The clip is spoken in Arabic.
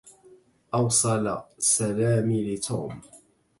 أوصل سلامي لتوم.